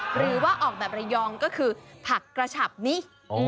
หรือว่าออกแบบระยองก็คือผักกระฉับนี้